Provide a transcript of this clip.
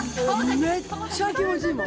めっちゃ気持ちいいもん。